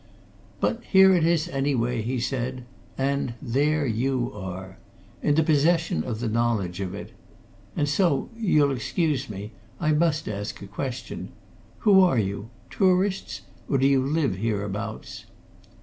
"But here it is, anyway," he said. "And there you are! In the possession of the knowledge of it. And so you'll excuse me I must ask a question. Who are you? Tourists? Or do you live hereabouts?"